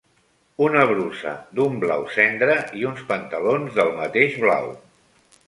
Una brusa d'un blau cendra i uns pantalons del mateix blau